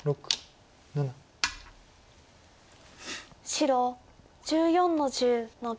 白１４の十ノビ。